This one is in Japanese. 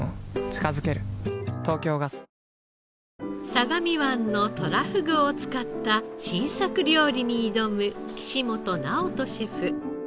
相模湾のとらふぐを使った新作料理に挑む岸本直人シェフ。